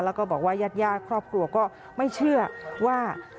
แล้วก็บอกว่าญาติครอบครัวก็ไม่เชื่อว่า